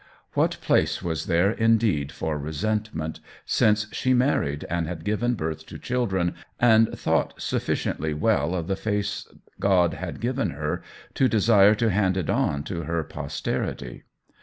What place was there in deed for resentment, since she married and had given birth to children, and thought sufficiently well of the face God had given her to desire to hand it on to her posterity